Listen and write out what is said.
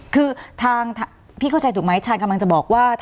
คือทางพี่เข้าใจถูกไหมชาญกำลังจะบอกว่า